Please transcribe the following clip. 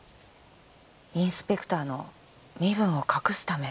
インスペクターの身分を隠すため。